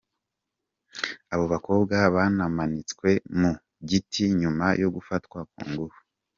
Abo bakobwa banamanitswe mu giti nyuma yo gufatwa ku ngufu.